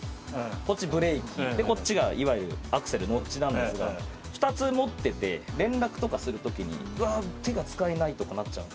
こっち、ブレーキで、こっちがいわゆるアクセル、ノッチなんですが、２つ持ってて、連絡とかするときに、うわ、手が使えないとかなっちゃう。